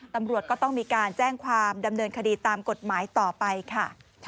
ตำรวจก็ต้องมีการแจ้งความดำเนินคดีตามกฎหมายต่อไปค่ะ